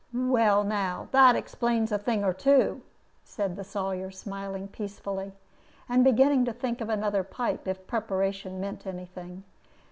"Well, now, that explains a thing or two," said the Sawyer, smiling peacefully, and beginning to think of another pipe, if preparation meant any thing.